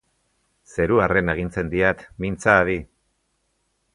Zeruarren agintzen diat, mintza hadi.